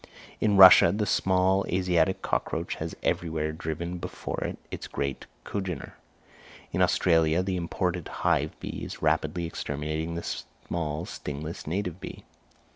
In Russia the small Asiatic cockroach has everywhere driven before it its great congener. In Australia the imported hive bee is rapidly exterminating the small, stingless native bee.